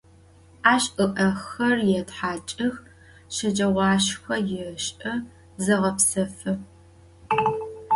Aş ı'exer yêthaç'ıx, şeceğuaşşxe yêş'ı, zêğepsefı.